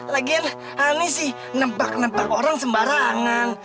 lagian hany sih nebak nebak orang sembarangan